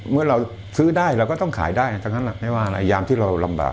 เมื่อเราซื้อได้เราก็ต้องขายได้ไม่ว่าอะไรยามที่เรารำบาก